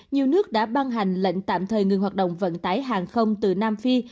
nhiều nước đã ban hành lệnh tạm thời ngừng hoạt động vận tải hàng không từ nam phi